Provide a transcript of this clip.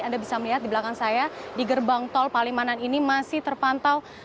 anda bisa melihat di belakang saya di gerbang tol palimanan ini masih terpantau